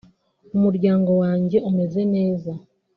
umuryango wanjye umeze neza